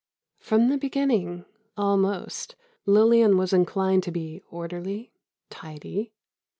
From the beginning, almost, Lillian was inclined to be orderly, tidy.